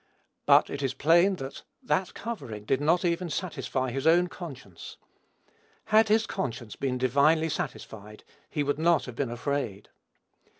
But it is plain that that covering did not even satisfy his own conscience. Had his conscience been divinely satisfied, he would not have been afraid.